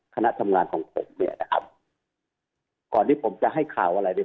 คณะทำงานของผมเนี่ยนะครับก่อนที่ผมจะให้ข่าวอะไรเนี่ย